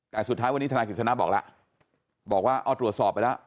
แต่สุดท้ายวันนี้ทนายกฤษณะบอกแล้วบอกว่าเอาตรวจสอบไปแล้ว